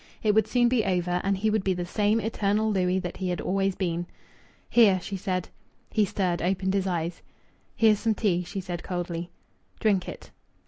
It would soon be over, and he would be the same eternal Louis that he had always been. "Here!" she said. He stirred, opened his eyes. "Here's some tea!" she said coldly. "Drink it."